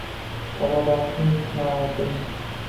Tabobatning sinoatin.